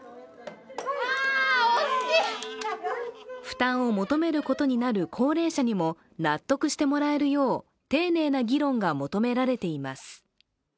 負担を求めることになる高齢者にも納得してもらえるよう丁寧な議論が求められています。